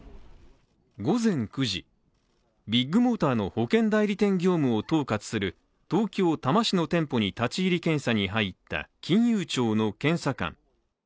午前９時、ビッグモーターの保険代理店業務を統括する東京・多摩市の店舗に立ち入り検査に入った金融庁の検査官。